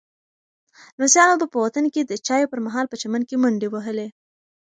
لمسیانو به په وطن کې د چایو پر مهال په چمن کې منډې وهلې.